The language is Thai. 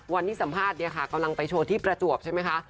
วันนี้สัมภาษณ์กำลังไปโชว์ที่ประจวบใช่ไหมคะ